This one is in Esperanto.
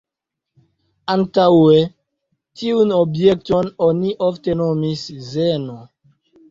Antaŭe tiun objekton oni ofte nomis "Zeno".